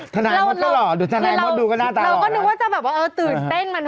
ธนายมดก็หล่อธนายมดดูก็หน้าตาหล่อนะ